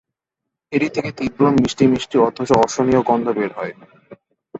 এটি থেকে তীব্র, মিষ্টি-মিষ্টি অথচ অসহনীয় গন্ধ বেরয়।